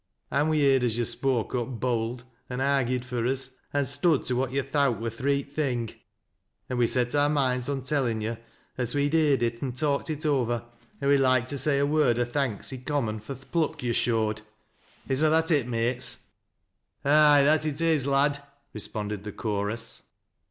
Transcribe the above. An' we heerd as yo' spoke up bold, an' argied fur us an' stood to what yo' tho\rt war th' reot thing, an' we set our moinds on tellin' yo' as we'd heerd if an' talked it over, an' we'd loike to say a word o' thanks i' common fur th' pluck yo' showed. Is na that it, mates? "" Ay, that it is, ad !" responded the chorus.